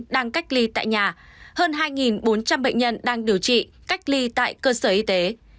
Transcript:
đang cách ly tại nhà hơn hai bốn trăm linh bệnh nhân đang điều trị cách ly tại cơ sở y tế